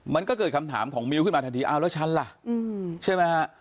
มันก็เกิดคำถามของมิ้วขึ้นมาทันทีอ้าวแล้วฉันล่ะใช่ไหมฮะ